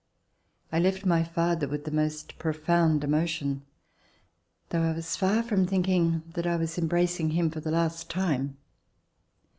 I left my father with the most profound emotion, although I was far from thinking that I was embracing him for the last time.